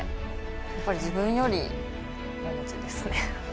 やっぱり自分よりももちですね。